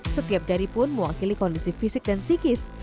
setiap jari pun mewakili kondisi fisik dan psikis